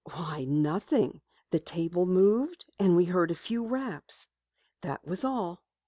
"Why, nothing. The table moved and we heard a few raps. That was all."